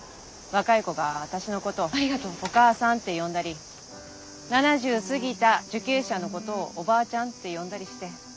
若い子が私のことを「おかあさん」って呼んだり７０過ぎた受刑者のことを「おばあちゃん」って呼んだりして。